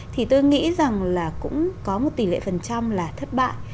thì tôi nghĩ rằng là cũng có một tỷ lệ phần trăm là thất bại